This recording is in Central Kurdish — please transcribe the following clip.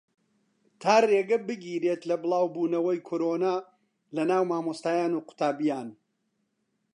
تا ڕێگە بگیرێت لە بڵاوبوونەوەی کۆرۆنا لەناو مامۆستایان و قوتابییان